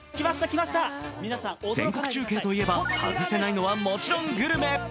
全国中継といえば、外せないのは、もちろんグルメ。